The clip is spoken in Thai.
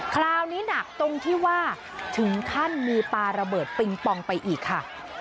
คราวนี้หนักตรงที่ว่าถึงขั้นมีปลาระเบิดปิงปองไปอีกค่ะ